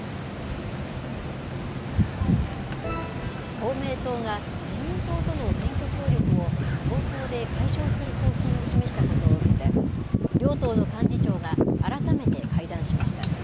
公明党が自民党との選挙協力を東京で解消する方針を示したことを受けて、両党の幹事長が改めて会談しました。